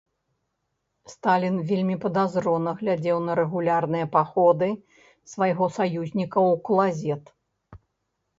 Сталін вельмі падазрона глядзеў на рэгулярныя паходы свайго саюзніка ў клазет.